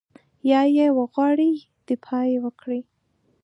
یا یې وغواړي دفاع وکړي.